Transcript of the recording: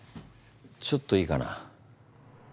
ちょっといいかな？